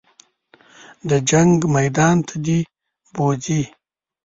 د جنګ میدان ته دې بوځي.